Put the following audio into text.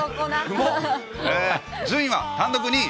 順位は単独２位。